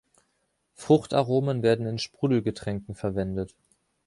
Fruchtaromen werden in Sprudelgetränken verwendet.